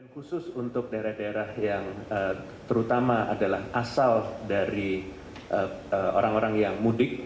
khusus untuk daerah daerah yang terutama adalah asal dari orang orang yang mudik